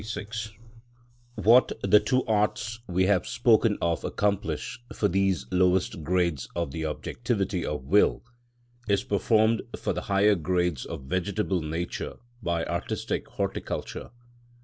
(52) § 44. What the two arts we have spoken of accomplish for these lowest grades of the objectivity of will, is performed for the higher grades of vegetable nature by artistic horticulture.